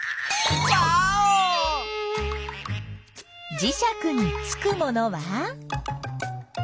じしゃくにつくものは？